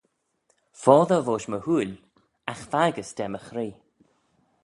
Foddey voish my hooil, agh faggys da my chree.